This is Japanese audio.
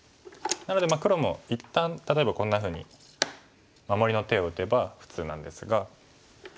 なので黒も一旦例えばこんなふうに守りの手を打てば普通なんですが。